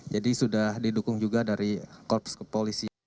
jadi sudah didukung juga dari korps ke polisi